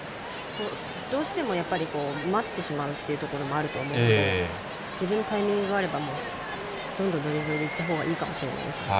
どうしても待ってしまうっていうところもあると思うので自分のタイミングがあればどんどんドリブルでいったほうがいいと思います。